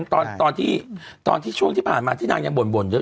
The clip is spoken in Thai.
ตอนตอนที่ตอนที่ช่วงที่ผ่านมาที่นางยังบ่นบ่น